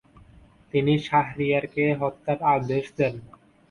তিনি শাহরিয়ারকে হত্যার আদেশ দেন।